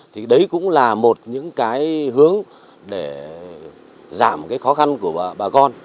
thì đấy cũng là một những cái hướng để giảm cái khó khăn của bà con